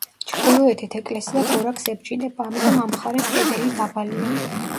ჩრდილოეთით ეკლესია გორაკს ებჯინება, ამიტომ ამ მხარეს კედელი დაბალია.